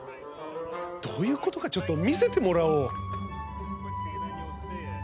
どういうことかちょっと見せてもらおう。